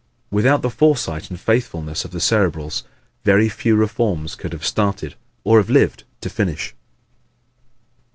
Without the foresight and faithfulness of the Cerebrals very few reforms could have started or have lived to finish.